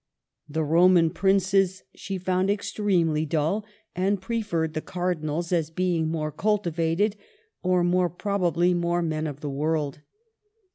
The Roman princes she found extremely dull, and preferred the cardinals, as being more culti vated, or more probably more men of the world.